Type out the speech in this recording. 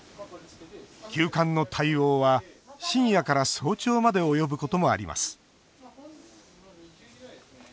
急患の対応は深夜から早朝まで及ぶこともあります。